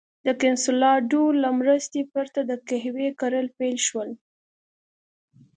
د کنسولاډو له مرستې پرته د قهوې کرل پیل شول.